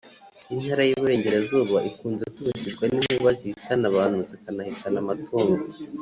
Intara y’ Iburengerazuba ikunze kwibasirwa n’inkuba zihitana abantu zikanahitana amatungo